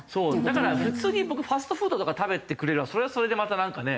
だから普通に僕ファストフードとか食べてくれればそれはそれでまたなんかね。